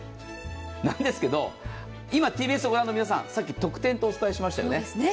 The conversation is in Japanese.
なんですけど、今ＴＢＳを御覧の皆さん、さっき特典と申しましたよね